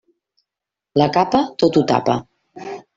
La capa tot ho tapa.